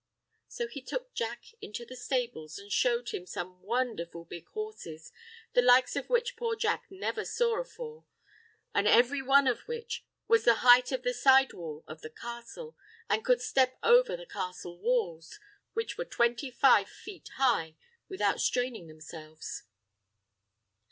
So he took Jack into the stables an' showed him some wondherful big horses, the likes of which poor Jack never saw afore, an' every one of which was the heighth of the side wall of the castle an' could step over the castle walls, which were twenty five feet high, without strainin' themselves.